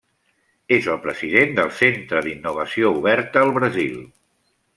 És el president del Centre d'Innovació Oberta al Brasil.